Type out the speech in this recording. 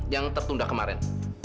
yang tertunda kemarin